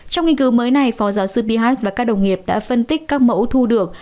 trong nghiên cứu mới này phó giáo sư bih và các đồng nghiệp đã phân tích các mẫu thu được